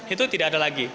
itu tidak ada lagi